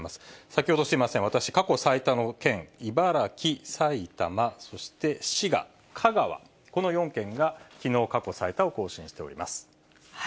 先ほど、すみません、私、過去最多の県、茨城、埼玉、そして滋賀、香川、この４県がきのう過去最多を更新しております。